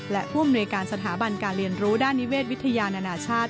และผู้อำนวยการสถาบันการเรียนรู้ด้านนิเวศวิทยานานาชาติ